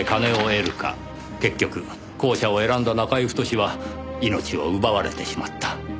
結局後者を選んだ中居太は命を奪われてしまった。